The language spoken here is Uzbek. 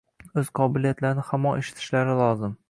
Oʻz qobiliyatlarini namoyon etishlari lozim